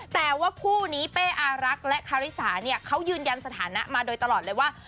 แต่ว่าคู่นี้เป้อารักษ์และคาริสาเนี่ยเขายืนยันสถานะมาโดยตลอดเลยว่า